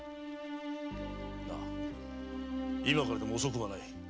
さあ今からでも遅くはない。